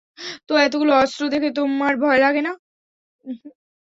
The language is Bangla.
তো এতগুলো অস্ত্র দেখে তোমার ভয় লাগেনা?